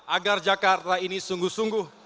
agar jakarta ini sungguh sungguh